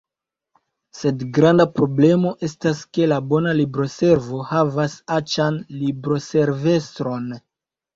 Sed granda problemo estas ke la bona libroservo havas aĉan libroservestron.